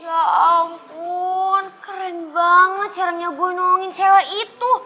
ya ampun keren banget caranya boy nolongin cewek itu